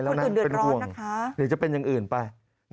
คุณอื่นเดือดร้อนนะคะหรือจะเป็นอย่างอื่นไป